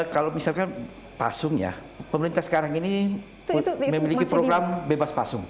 kalau misalkan pasung ya pemerintah sekarang ini memiliki program bebas pasung